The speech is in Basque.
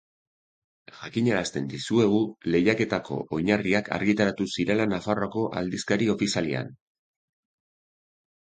Jakinarazten dizuegu Lehiaketako oinarriak argitaratu zirela Nafarroako Aldizkari Ofizialean.